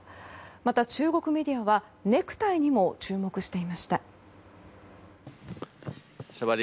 また、中国メディアはネクタイにも注目していました。